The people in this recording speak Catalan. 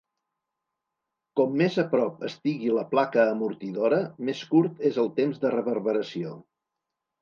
Com més a prop estigui la placa amortidora, més curt és el temps de reverberació.